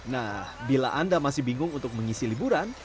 nah bila anda masih bingung untuk mengisi liburan